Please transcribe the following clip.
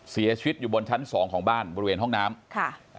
เสียชีวิตอยู่บนชั้นสองของบ้านบริเวณห้องน้ำค่ะ